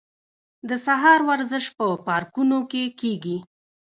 د سهار ورزش په پارکونو کې کیږي.